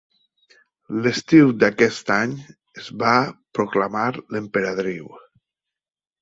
L'estiu d'aquest any, es va proclamar emperadriu.